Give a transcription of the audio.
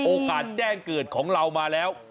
โอกาสแจ้งเกิดของเรามาแล้ว